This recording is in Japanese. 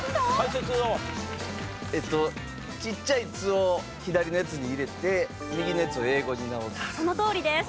ちっちゃい「つ」を左のやつに入れて右のやつを英語に直す。